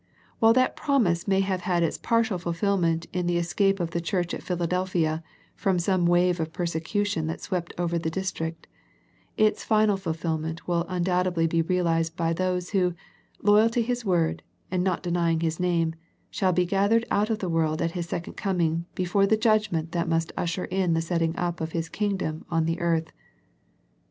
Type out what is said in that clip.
While that promise may have had its partial fulfilment in the escape of the church at Philadelphia from some wave of persecution that swept over the district, its final fulfilment will undoubtedly be realized by those who, loyal to His word, and not denying His name, shall be gathered out of the world at His second coming before the judgment that must usher in the setting up of His Kingdom on the earth.